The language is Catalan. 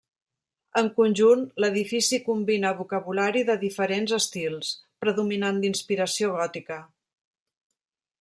En conjunt, l'edifici combina vocabulari de diferents estils, predominant d'inspiració gòtica.